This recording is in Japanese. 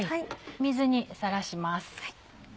水にさらします。